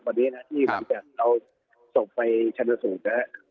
วันนี้นะที่หลังจากเราส่งไปชัดประสูจน์แล้ว